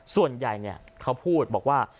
ส่วนใหญ่เขาพูดบอกว่า